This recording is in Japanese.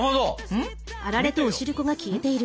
うん？